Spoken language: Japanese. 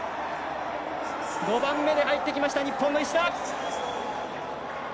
５番目で入ってきました日本の石田。